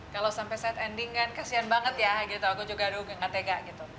kalau sampai saat ending kan kasian banget ya gitu aku juga aduh gak tega gitu